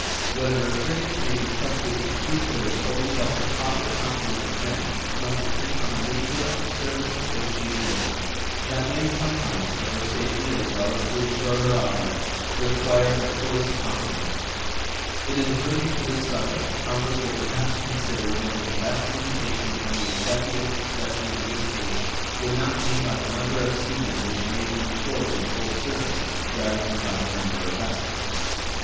Whether a frigate may be trusted to two thirds only of her proper complement of men must depend on the nature of the service on which she is ordered; that may sometimes, for her safety as well as to insure her object, require her fullest complement. In adverting to this subject Congress will perhaps consider whether the best limitation on the Executive discretion in this case would not be by the number of sea men which may be employed in the whole service rather than by the number of vessels.